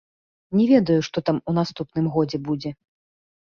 Не ведаю, што там у наступным годзе будзе.